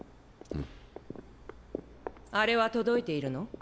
あれは届いているの？